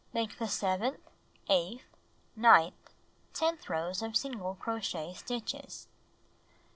Make the seventh, eighth, ninth, tenth rows of single crochet stitches.